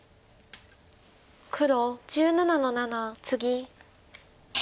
黒１７の七ツギ。